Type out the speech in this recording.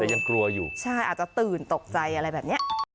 อาจจะตื่นตกใจอะไรแบบนี้